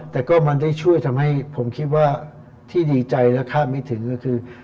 แต่ก็มันได้ช่วยทำให้ผมคิดว่าที่ดีใจและคาดไม่ถึงก็คือ